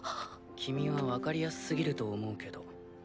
君は分かりやすすぎると思うけど。